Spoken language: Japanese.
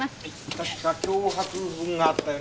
確か脅迫文があったよね。